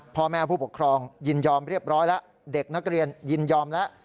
พ่อแม่ผู้ปกครองยินยอมเรียบร้อยแล้วเด็กนักเรียนยินยอมแล้ว